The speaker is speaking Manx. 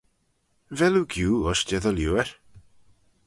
Vel oo giu ushtey dy liooar?